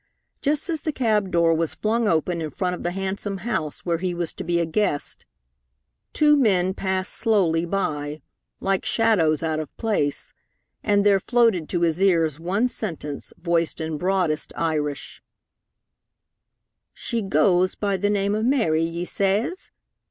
Just as the cab door was flung open in front of the handsome house where he was to be a guest, two men passed slowly by, like shadows out of place, and there floated to his ears one sentence voiced in broadest Irish: "She goes by th' name of Mary, ye says?